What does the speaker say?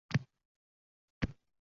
Yoki boshqa misol